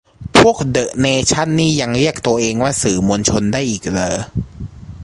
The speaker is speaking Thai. พวกเดอะเนชั่นนี่ยังเรียกตัวเองว่าสื่อมวลชนได้อีกเหรอ